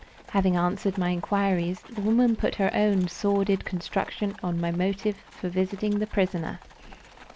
Having answered my inquiries, the woman put her own sordid construction on my motive for visiting the prisoner.